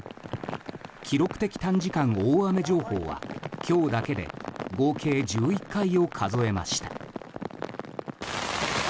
記録的短時間大雨情報は今日だけで合計１１回を数えました。